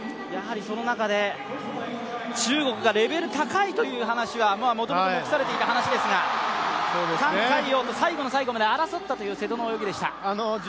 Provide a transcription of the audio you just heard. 中国がレベル高いという話はもともと目されていた話ですが覃海洋と最後の最後まで争ったという瀬戸の泳ぎでした。